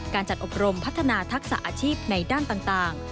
การจัดอบรมพัฒนาทักษะอาชีพในด้านต่าง